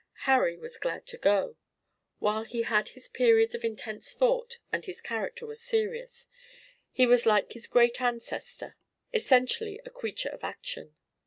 Harry was glad to go. While he had his periods of intense thought, and his character was serious, he was like his great ancestor, essentially a creature of action.